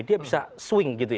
dia bisa swing gitu ya